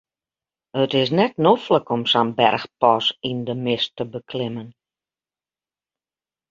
It is net noflik om sa'n berchpas yn de mist te beklimmen.